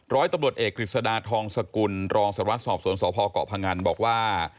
ร้อยตำรวจเอกกฤษฎาทองสกุลรองสารวัตรสอบสวนสพเกาะพงันบอกว่า